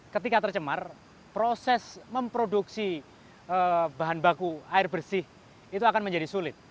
ketika tercemar proses memproduksi bahan baku air bersih itu akan menjadi sulit